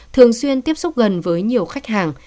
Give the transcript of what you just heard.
thường xuyên tiếp xúc gần với nhiều khách hàng